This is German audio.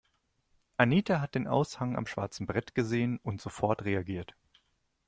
Anita hat den Aushang am schwarzen Brett gesehen und sofort reagiert.